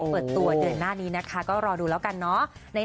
เปิดตัวเดือนหน้านี้นะคะก็รอดูแล้วกันเนาะ